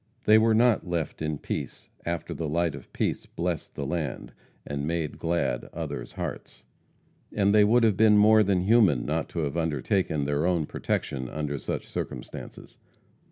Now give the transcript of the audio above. They were not left in peace after the light of peace blessed the land and made glad other hearts; and they would have been more than human not to have undertaken their own protection under such circumstances.